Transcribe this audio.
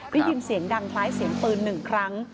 ได้ยินเสียงดังคล้ายเสียงปืน๑ครั้ง